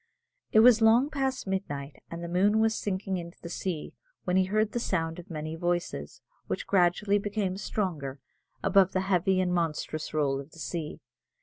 It was long past midnight, and the moon was sinking into the sea, when he heard the sound of many voices, which gradually became stronger, above the heavy and monotonous roll of the sea.